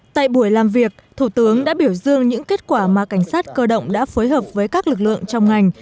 tại buổi làm việc thủ tướng đã biểu dương những kết quả mà cảnh sát cơ động đã phối hợp với các lực lượng trong ngành